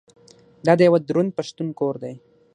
دا د یوه دروند پښتون کور دی.